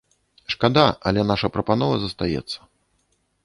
Шкада, але наша прапанова застаецца.